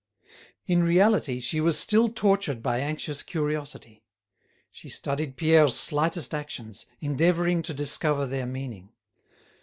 In reality, she was still tortured by anxious curiosity; she studied Pierre's slightest actions, endeavouring to discover their meaning.